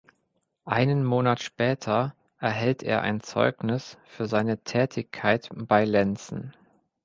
Einen Monat später erhält er ein Zeugnis für seine Tätigkeit bei Lenzen.